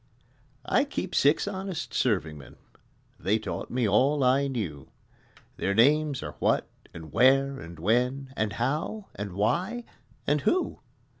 I Keep six honest serving men: (They taught me all I knew) Their names are What and Where and When And How and Why and Who.